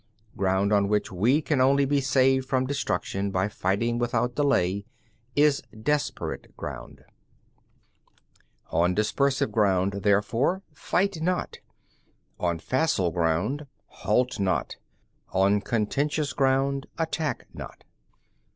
10. Ground on which we can only be saved from destruction by fighting without delay, is desperate ground. 11. On dispersive ground, therefore, fight not. On facile ground, halt not. On contentious ground, attack not.